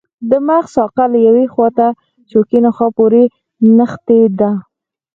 د مغز ساقه له یوې خواته شوکي نخاع پورې نښتې ده.